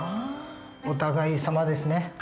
お互いさまですね。